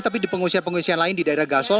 tapi di pengungsian pengungsian lain di daerah gasol